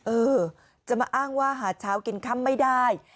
เออจะมาอ้างว่าหาเช้ากินค่ำไม่ได้